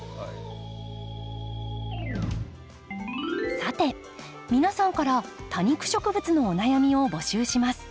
さて皆さんから多肉植物のお悩みを募集します。